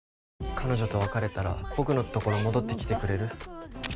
彼女と別れたら僕のところ戻ってきてくれる？